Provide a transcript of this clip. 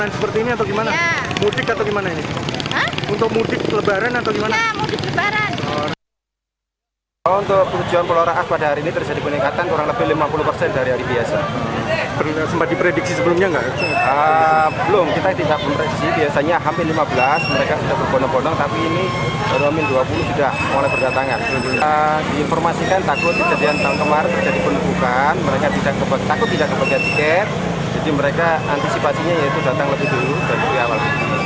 sejumlah pemudik yang sudah selesai membeli tiket terlibat saling dorong dan berdesakan